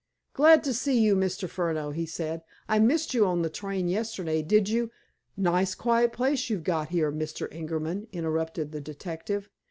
"Glad to see you, Mr. Furneaux," he said. "I missed you on the train yesterday. Did you—" "Nice quiet place you've got here, Mr. Ingerman," interrupted the detective.